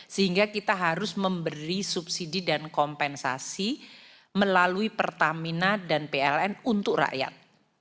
sehingga kita harus memberi subsidi dan kompensasi melalui pertamina dan pln untuk rakyat